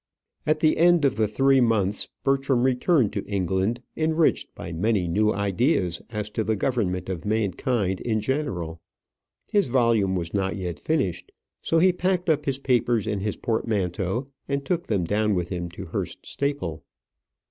At the end of the three months Bertram returned to England, enriched by many new ideas as to the government of mankind in general. His volume was not yet finished. So he packed up his papers in his portmanteau and took them down with him to Hurst Staple.